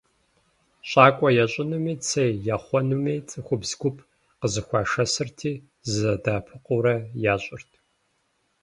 ЩӀакӀуэ ящӀынуми, цей яхъуэнуми цӀыхубз гуп къызэхуашэсырти, зэдэӀэпыкъуурэ ящӀырт.